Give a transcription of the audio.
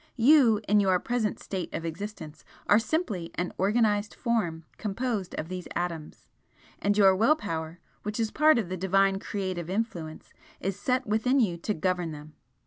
You, in your present state of existence, are simply an organised Form, composed of these atoms, and your will power, which is part of the Divine creative influence, is set within you to govern them.